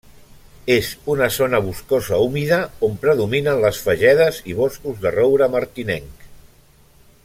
És una zona boscosa humida, on predominen les fagedes i boscos de roure martinenc.